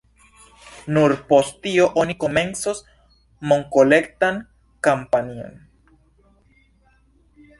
Nur post tio oni komencos monkolektan kampanjon.